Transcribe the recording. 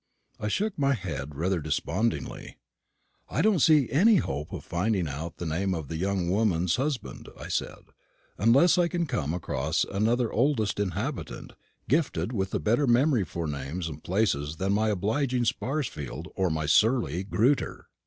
I shook my head rather despondingly. "I don't see any hope of finding out the name of the young woman's husband," I said, "unless I can come across another oldest inhabitant, gifted with a better memory for names and places than my obliging Sparsfield or my surly Grewter."